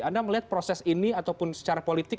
anda melihat proses ini ataupun secara politik